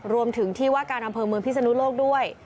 รวมถึงที่ว่าการอำเภอเมืองพิศนุโลกด้วย